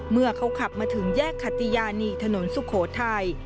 เมื่อเขาขับมาถึงแยกขติยานีถนนสุโขทัย